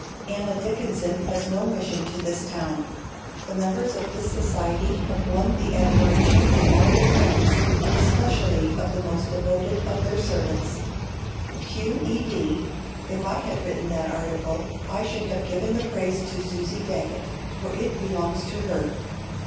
Anna Dickinson has no mission to this town. The members of this Society have won the admiration of all their friends, and especially of the most devoted of their servants, Q. E. D. If I had written that article, I should have given the praise to Susie Daggett, for it belongs to her.